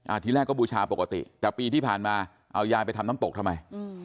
ทีแรกก็บูชาปกติแต่ปีที่ผ่านมาเอายายไปทำน้ำตกทำไมอืม